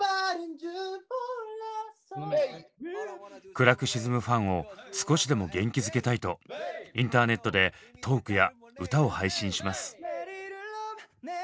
暗く沈むファンを少しでも元気づけたいとインターネットでトークや歌を配信します。